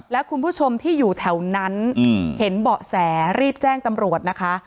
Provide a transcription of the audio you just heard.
และคุณผู้ชมที่อยู่แถวนั้นเห็นเบาะแสรีบแจ้งตำรวจนะคะ